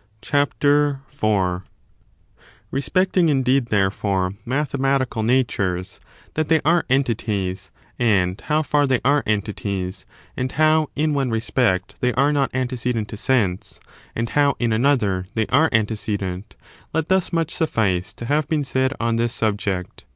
^ CHAPTER IV.2 Rbspegtino, indeed, therefore, mathematical tire Ideal natures, that they are entities, and how £eu: they mine7 ^^® entities, and how, in one respect, they are not antecedent to sense, and how, in another, they are antecedent, let thus much suffice to have been said on this subject.